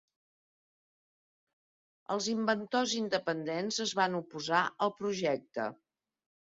Els inventors independents es van oposar al projecte.